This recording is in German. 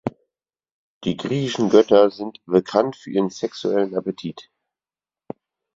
Die griechischen Götter sind bekannt für ihren sexuellen Appetit.